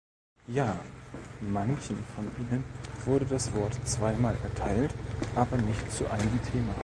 Ja, manchen von Ihnen wurde das Wort zweimal erteilt, aber nicht zu einem Thema.